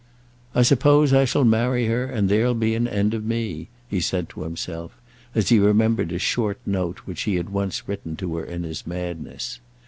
"I suppose I shall marry her, and there'll be an end of me," he said to himself, as he remembered a short note which he had once written to her in his madness.